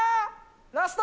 ラスト。